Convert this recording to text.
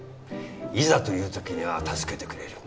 いざという時には助けてくれる。